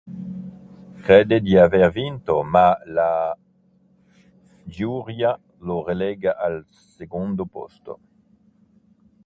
Crede di aver vinto, ma la giuria lo relega al secondo posto.